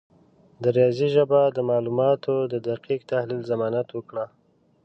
د ریاضي ژبه د معلوماتو د دقیق تحلیل ضمانت وکړه.